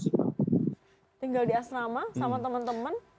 tinggal di asrama sama teman teman